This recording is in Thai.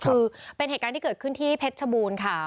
คือเป็นเหตุการณ์ที่เกิดขึ้นที่เพชรชบูรณ์ค่ะ